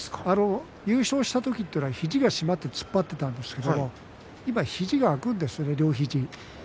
優勝した時というのは肘が締まって突っ張っていたんですが今は肘が開くんですね、両肘。